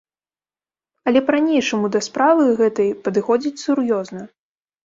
Але па-ранейшаму да справы гэтай падыходзіць сур'ёзна.